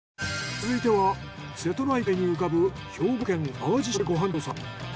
続いては瀬戸内海に浮かぶ兵庫県淡路島でご飯調査。